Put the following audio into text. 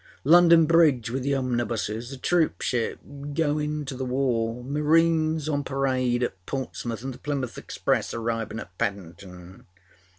London Bridge with the omnibusesâa troopship goinâ to the warâmarines on parade at Portsmouth anâ the Plymouth Express arrivinâ at Paddinâton.